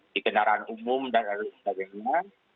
di kendaraan umum dan lain sebagainya